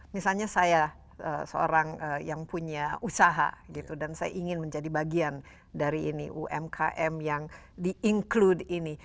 misalnya saya seorang yang punya usaha gitu dan saya ingin menjadi bagian dari ini umkm yang di include ini